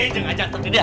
jangan tetep didih